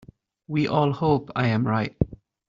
We all hope I am right.